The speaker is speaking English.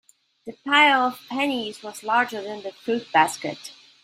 The pile of pennies was larger than the fruit basket.